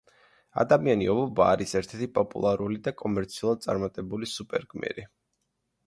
ადამიანი ობობა არის ერთ-ერთი პოპულარული და კომერციულად წარმატებული სუპერგმირი.